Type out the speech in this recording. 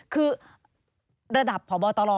คือระดับพบตร